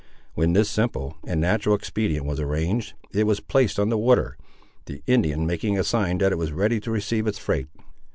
When this simple and natural expedient was arranged, it was placed on the water, the Indian making a sign that it was ready to receive its freight.